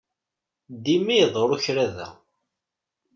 Dima iḍerru kra da.